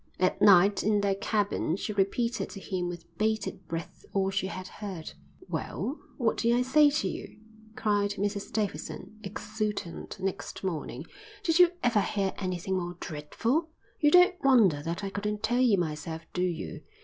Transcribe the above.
At night in their cabin she repeated to him with bated breath all she had heard. "Well, what did I say to you?" cried Mrs Davidson, exultant, next morning. "Did you ever hear anything more dreadful? You don't wonder that I couldn't tell you myself, do you?